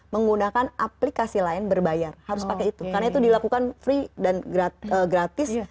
menggunakan aplikasi lain berbayar harus pakai itu karena itu dilakukan free dan gratis